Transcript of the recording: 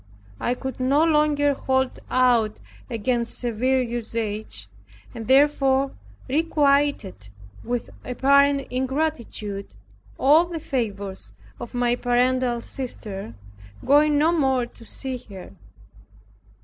I could no longer hold out against severe usage, and therefore requited with apparent ingratitude all the favors of my paternal sister, going no more to see her.